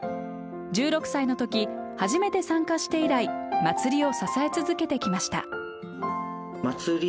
１６歳の時初めて参加して以来祭りを支え続けてきました。